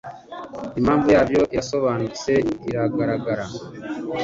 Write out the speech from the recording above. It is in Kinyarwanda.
Impamvu yabyo irasobanutse iranagaragara